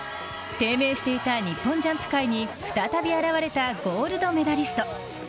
低迷していた日本ジャンプ界に、再び現れたゴールドメダリスト。